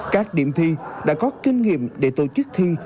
các điểm thi đã có kinh nghiệm để tổ chức thi